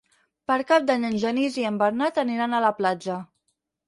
Per Cap d'Any en Genís i en Bernat aniran a la platja.